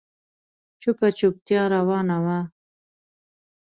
چوپه چوپتيا روانه وه.